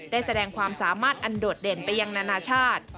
ได้แสดงความสามารถอันโดดเด่นไปยังนานาชาติ